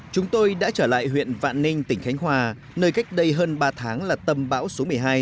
chúng tôi đã trở lại huyện vạn ninh tỉnh khánh hòa nơi cách đây hơn ba tháng là tâm bão số một mươi hai